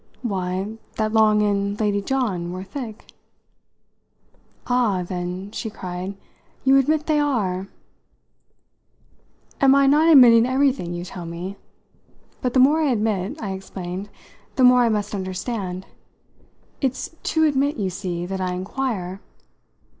"Why, that Long and Lady John were thick?" "Ah, then," she cried, "you admit they are!" "Am I not admitting everything you tell me? But the more I admit," I explained, "the more I must understand. It's to admit, you see, that I inquire.